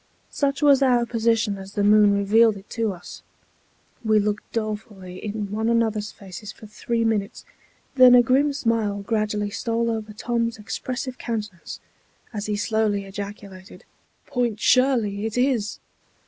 Such was our position as the moon revealed it to us. We looked dolefully in one another's faces for three minutes; then a grim smile gradually stole over Tom's expressive countenance, as he slowly ejaculated, "Point Shirley it is!"